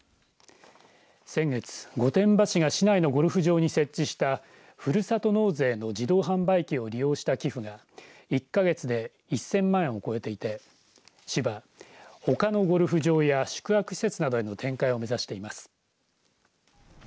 先月、御殿場市が市内のゴルフ場に設置したふるさと納税の自動販売機を利用した寄付が１か月で１０００万円を超えていて市は、ほかのゴルフ場や宿泊施設などへの展開を目指しています。